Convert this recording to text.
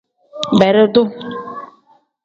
Beredu.